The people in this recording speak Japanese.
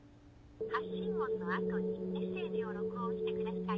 発信音の後にメッセージを録音してください。